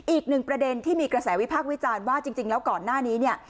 อีกหนึ่งประเด็นที่มีกระแสวิพากษ์วิจารณ์ว่าจริงแล้วก่อนหน้านี้เนี่ย